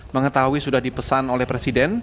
mengetahui sudah dipesan oleh presiden